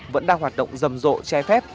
vẫn đang hoạt động dầm rộ che phép